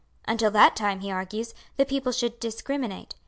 "Until that time, he argues, the people should discriminate.